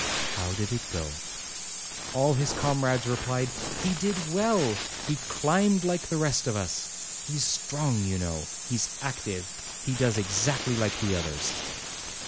how did it go?" all his comrades replied, "He did well he climbed like the rest of us he's strong, you know he's active he does exactly like the others."